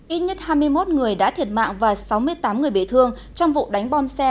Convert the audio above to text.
ít nhất hai mươi một người đã thiệt mạng và sáu mươi tám người bị thương trong vụ đánh bom xe